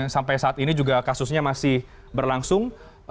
sampai saat ini juga kasusnya masih berlangsung